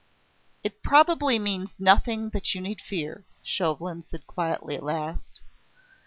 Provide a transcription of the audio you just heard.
"It probably means nothing that you need fear," Chauvelin said quietly at last.